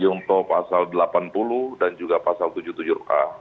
untuk pasal delapan puluh dan juga pasal tujuh puluh tujuh a